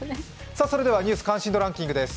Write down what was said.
それでは「ニュース関心度ランキング」です。